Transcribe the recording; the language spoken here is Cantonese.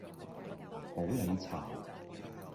普洱茶